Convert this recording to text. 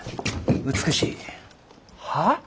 美しい。はあ？